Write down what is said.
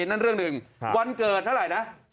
นั่นเรื่องหนึ่งวันเกิดเท่าไหร่นะ